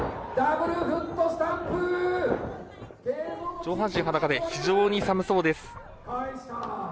上半身裸で非常に寒そうです。